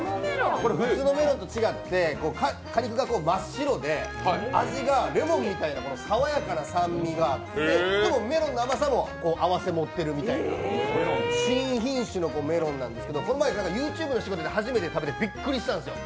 普通のメロンと違って果肉が真っ白で味がレモンみたいなさわやかな酸味があって、でも、メロンの甘さも併せ持ってるみたいな、新品種のメロンなんですけど、この前ＹｏｕＴｕｂｅの仕事で初めて食べてびっくりしたんです。